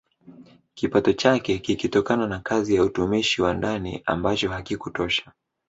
Kipato chake kikitokana na kazi ya utumishi wa ndani ambacho hakikutosha